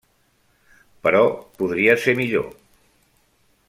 Però podria ser millor.